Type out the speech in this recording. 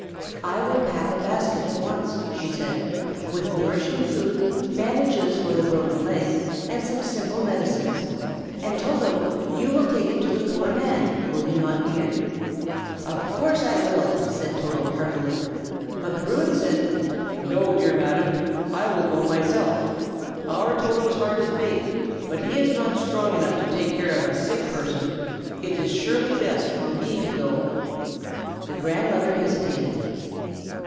"I will pack a basket at once," she said, "with nourishing food, bandages for the broken leg, and some simple medicines; and Toto, you will take it to the poor man, will you not, dear?" "Of course I will!" said Toto, heartily. But Bruin said: "No, dear Madam! I will go myself. Our Toto's heart is big, but he is not strong enough to take care of a sick person. It is surely best for me to go." The grandmother hesitated.